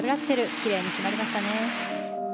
キレイに決まりましたね。